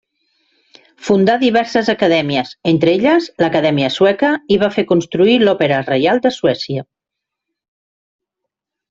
Fundà diverses acadèmies, entre elles l'Acadèmia Sueca, i va fer construir l'Òpera Reial de Suècia.